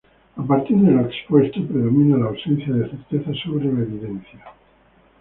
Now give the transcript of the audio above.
A partir de lo expuesto, predomina la ausencia de certeza sobre la evidencia.